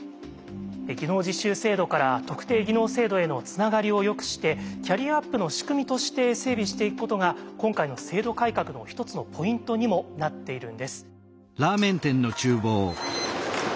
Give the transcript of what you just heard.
技能実習制度から特定技能制度へのつながりをよくしてキャリアアップの仕組みとして整備していくことが今回の制度改革の一つのポイントにもなっているんです。